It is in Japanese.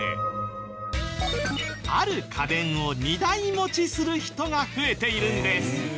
ある家電を２台持ちする人が増えているんです。